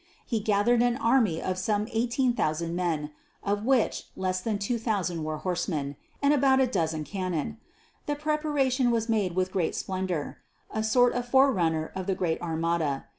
He gathered an army of some 18,000 men (of which less than 2,000 were horsemen) and about a dozen cannon. The preparation was made with great splendour a sort of forerunner of the Great Armada.